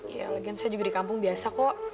ya mungkin saya juga di kampung biasa kok